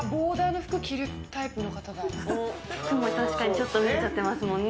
服も確かにちょっと見えちゃってますもんね。